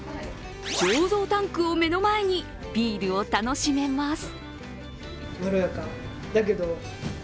醸造タンクを目の前にビールを楽しめます。